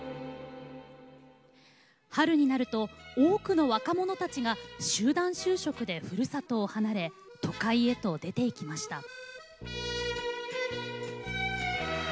春になると多くの若者たちが集団就職でふるさとを離れ都会へと出て行きました。